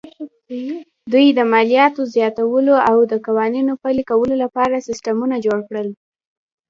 دوی د مالیاتو زیاتولو او د قوانینو پلي کولو لپاره سیستمونه جوړ کړل